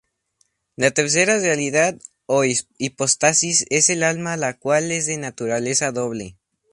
La tercera realidad o hipóstasis es el alma la cual es de naturaleza doble.